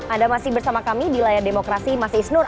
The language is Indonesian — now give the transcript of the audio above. anda masih bersama kami di layar demokrasi mas isnur